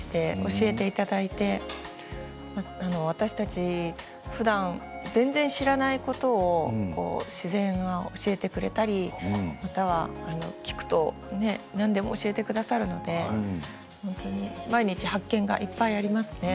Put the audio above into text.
教えていただいて私たちふだん全然、知らないことを自然が教えてくれたり聞くと何でも教えてくださるので毎日発見がいっぱいありますね。